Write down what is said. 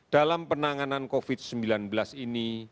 dalam penanganan covid sembilan belas ini